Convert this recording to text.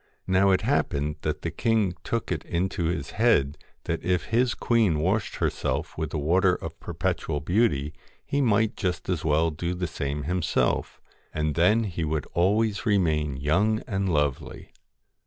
Now it happened that the king took it into his head that if his queen washed herself with the Water of Perpetual Beauty he might just as well do the same himself, and then he would always remain young and lovely.